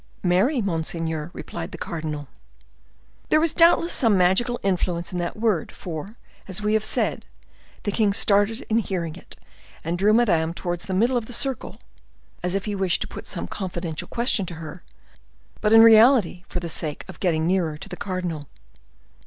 "Mary, monseigneur," replied the cardinal. There was doubtless some magical influence in that word, for, as we have said, the king started in hearing it, and drew Madame towards the middle of the circle, as if he wished to put some confidential question to her, but, in reality, for the sake of getting nearer to the cardinal.